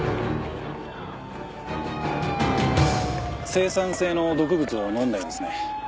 青酸性の毒物を飲んだようですね。